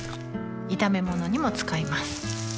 炒め物にも使います